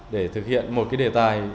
để thực hiện một cái đề tài